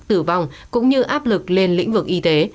tử vong cũng như áp lực lên lĩnh vực y tế